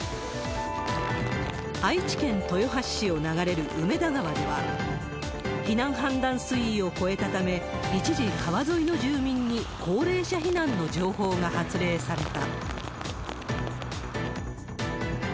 愛知県豊橋市を流れる梅田川では、避難判断水位を超えたため、一時川沿いの住民に高齢者避難の情報が発令された。